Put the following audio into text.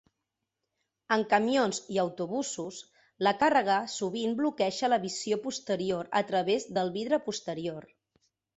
En camions i autobusos, la càrrega sovint bloqueja la visió posterior a través del vidre posterior.